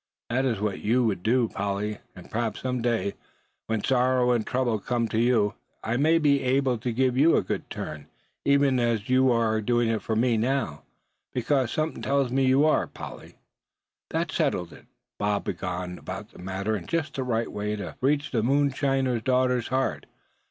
That is what you would do, Polly; and perhaps some day, when sorrow and trouble come to you, I may be able to do you a good turn, even as you are going to do for me now; because something tells me you are, Polly!" That settled it. Bob had gone about the matter in just the right way to reach the moonshiner's daughter's heart.